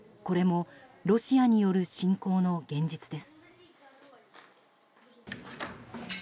これもロシアによる侵攻の現実です。